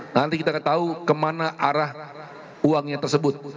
nanti kita akan tahu kemana arah uangnya tersebut